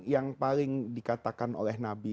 yang paling dikatakan oleh nabi